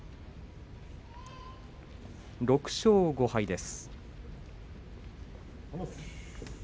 ６勝５敗です。